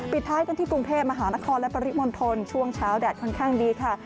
ท้ายกันที่กรุงเทพมหานครและปริมณฑลช่วงเช้าแดดค่อนข้างดีค่ะ